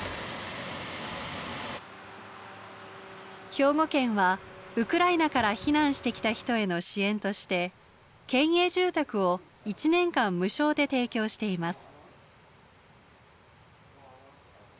兵庫県はウクライナから避難してきた人への支援として県営住宅を１年間無償で提供しています。